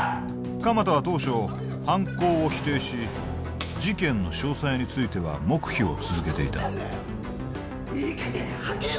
鎌田は当初犯行を否定し事件の詳細については黙秘を続けていたいい加減吐けよ！